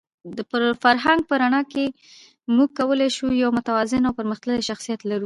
د فرهنګ په رڼا کې موږ کولای شو یو متوازن او پرمختللی شخصیت ولرو.